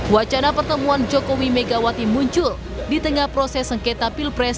wacana pertemuan jokowi megawati muncul di tengah proses sengketa pilpres